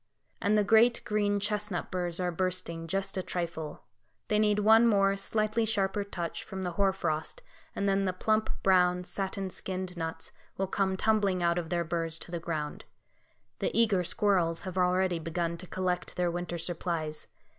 And the great green chestnut burs are bursting, just a trifle; they need one more, slightly sharper touch from the hoar frost, and then the plump, brown, satin skinned nuts will come tumbling out of their burs to the ground. The eager squirrels have already begun to collect their winter supplies.